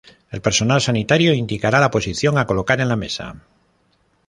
El personal sanitario indicará la posición a colocar en la mesa.